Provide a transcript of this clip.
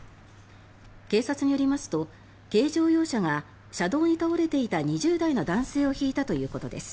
警察によりますと軽乗用車が車道に倒れていた２０代の男性をひいたということです。